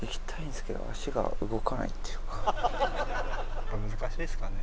やっぱ難しいですかね？